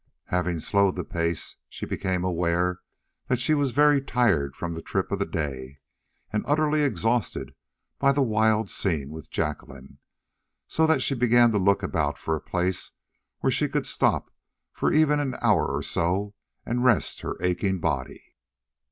Having slowed the pace she became aware that she was very tired from the trip of the day, and utterly exhausted by the wild scene with Jacqueline, so that she began to look about for a place where she could stop for even an hour or so and rest her aching body.